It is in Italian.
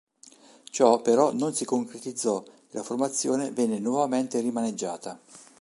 Ciò però non si concretizzò e la formazione venne nuovamente rimaneggiata.